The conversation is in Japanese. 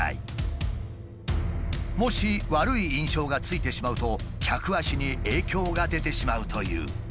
もし悪い印象がついてしまうと客足に影響が出てしまうという。